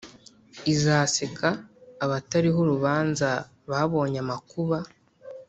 izaseka abatariho urubanza babonye amakuba